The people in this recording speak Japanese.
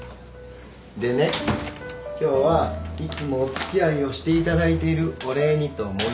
でね今日はいつもお付き合いをしていただいているお礼にと思いまして。